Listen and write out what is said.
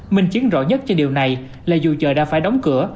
mình chiến rõ nhất cho điều này là dù chợ đã phải đóng cửa